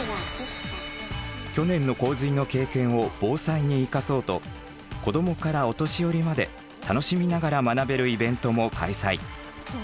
去年の洪水の経験を防災に生かそうと子どもからお年寄りまで楽しみながら学べるイベントも開催。